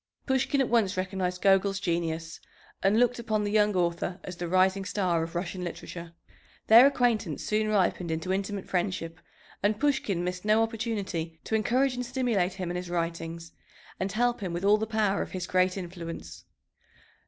Pushkin at once recognized Gogol's genius and looked upon the young author as the rising star of Russian literature. Their acquaintance soon ripened into intimate friendship, and Pushkin missed no opportunity to encourage and stimulate him in his writings and help him with all the power of his great influence.